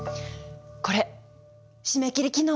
これ締め切り昨日。